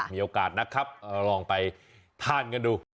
มีโอกาสนะครับลองไปทานกันดู